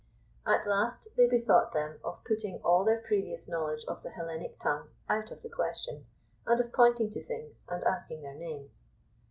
At last they bethought them of putting all their previous knowledge of the Hellenic tongue out of the question, and of pointing to things and asking their names.